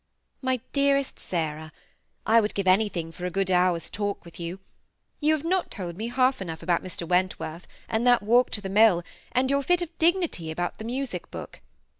" My dearest Sarah, — I would give anything for a good hour's talk with you. You have not told me half enough about Mr. Wentworth, and that walk to the mill, and your fit of dignity about the music book.